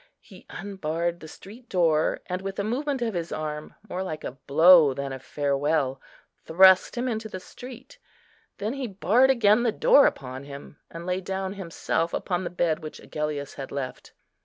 He unbarred the street door, and with a movement of his arm, more like a blow than a farewell, thrust him into the street. Then he barred again the door upon him, and lay down himself upon the bed which Agellius had left.